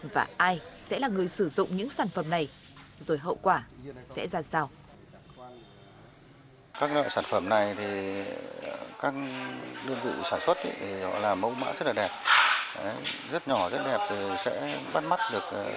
và ai sẽ là người sử dụng những sản phẩm này rồi hậu quả sẽ ra sao